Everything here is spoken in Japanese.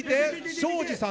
庄司さん。